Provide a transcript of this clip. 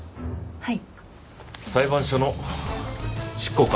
はい。